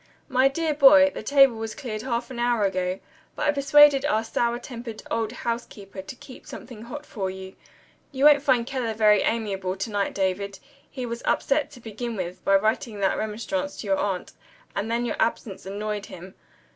"My dear boy, the table was cleared half an hour ago. But I persuaded our sour tempered old housekeeper to keep something hot for you. You won't find Keller very amiable to night, David. He was upset, to begin with, by writing that remonstrance to your aunt and then your absence annoyed him.